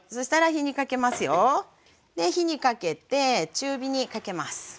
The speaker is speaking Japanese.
火にかけて中火にかけます。